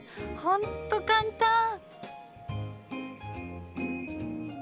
ほんっと簡単。